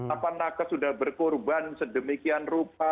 apa nakes sudah berkorban sedemikian rupa